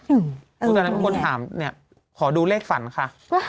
ตอนนั้นคนถามขอดูเลขฝันค่ะ